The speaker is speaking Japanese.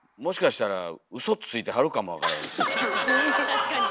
確かに。